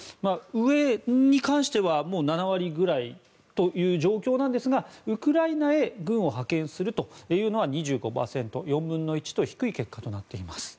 上に関しては７割ぐらいという状況なんですがウクライナへ軍を派遣するというのは２５％、４分の１と低い結果となっています。